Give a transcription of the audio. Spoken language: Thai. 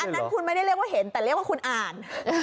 อันนั้นคุณไม่ได้เรียกว่าเห็นแต่เรียกว่าคุณอ่าน